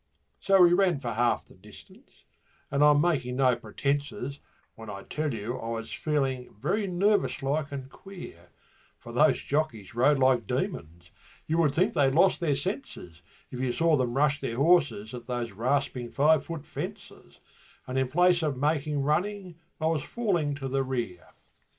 So we ran for half the distance, and I'm making no pretences When I tell you I was feeling very nervous like and queer, For those jockeys rode like demons; you would think they'd lost their senses If you saw them rush their horses at those rasping five foot fences And in place of making running I was falling to the rear.